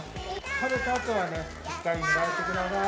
食べたあとはしっかり磨いてください。